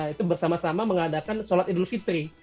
itu bersama sama mengadakan sholat idul fitri